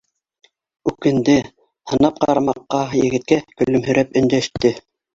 Үкенде, һынап ҡара маҡҡа, егеткә көлөмһөрәп өндәште